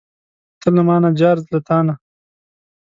ته له مانه جار، زه له تانه.